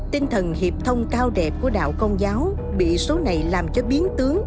tinh thần hiệp thông cao đẹp của đạo công giáo bị số này làm cho biến tướng